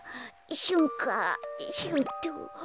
しゅんかしゅうとう。